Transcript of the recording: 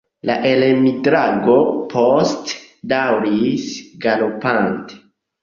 La elmigrado poste daŭris galopante.